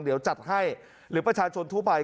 เดี๋ยวจัดให้หรือประชาชนทั่วไป